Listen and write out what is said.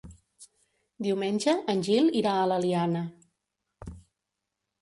Diumenge en Gil irà a l'Eliana.